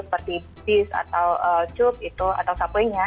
seperti bis atau cup itu atau sapunya